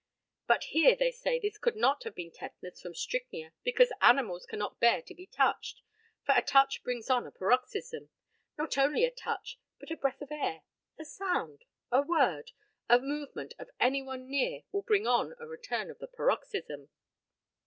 But here they say this could not have been tetanus from strychnia, because animals cannot bear to be touched, for a touch brings on a paroxysm not only a touch, but a breath of air, a sound, a word, a movement of any one near will bring on a return of the paroxysm.